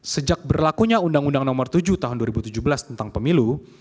sejak berlakunya undang undang nomor tujuh tahun dua ribu tujuh belas tentang pemilu